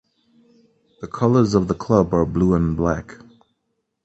The colours of the club are blue and black.